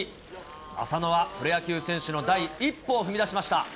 浅野はプロ野球選手の第一歩を踏み出しました。